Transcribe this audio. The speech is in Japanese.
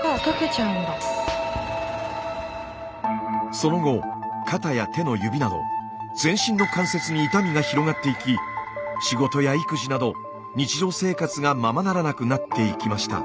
その後肩や手の指など全身の関節に痛みが広がっていき仕事や育児など日常生活がままならなくなっていきました。